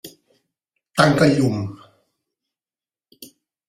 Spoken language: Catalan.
Tanca el llum.